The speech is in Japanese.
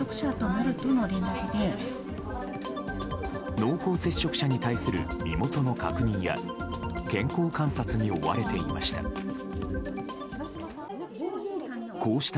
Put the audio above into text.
濃厚接触者に対する身元の確認や健康観察に追われていました。